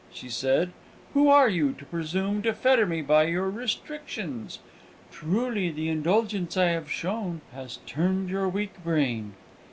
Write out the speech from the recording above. she said. "Who are you, to presume to fetter me by your restrictions? Truly, the indulgence I have shown has turned your weak brain."